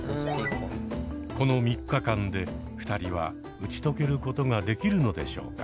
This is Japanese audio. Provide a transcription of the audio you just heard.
この３日間で２人は打ち解けることができるのでしょうか。